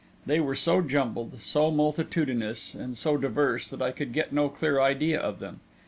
They were so jumbled, so multitudinous, and so diverse that I could get no clear idea of them.